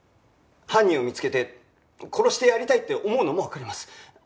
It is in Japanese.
犯人を見つけて殺してやりたいって思うのもわかります。